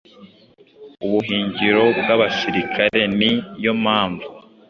Ubuhungiro bwabasirikare ni yo mpamvu